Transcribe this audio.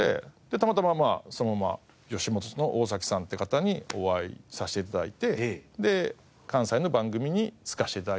たまたまそのまま吉本の大さんっていう方にお会いさせて頂いて関西の番組につかせて頂いたのが初めてですかね。